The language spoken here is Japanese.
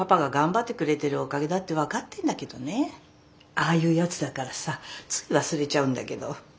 ああいうやつだからさつい忘れちゃうんだけど。